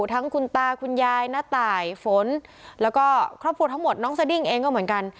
ทั้งคุณตาคุณยายณตายฝนแล้วก็ครอบครัวทั้งหมดน้องสดิ้งเองก็เหมือนกัน